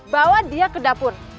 bawa dia ke dapur